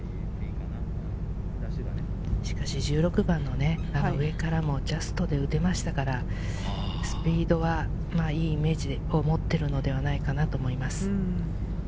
しかし１６番の上からもジャストで打てましたから、スピードは良いイメージを持っているのではないかなと思います。